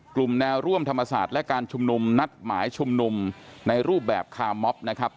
กลุ่มแนวร่วมธรรมศาสตร์และการชุมนุมนัดหมายชุมนุมในรูปแบบคาร์มอบนะครับ